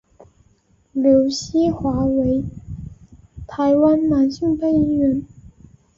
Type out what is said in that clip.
刘锡华为台湾男性配音员。